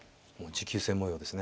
もう持久戦模様ですね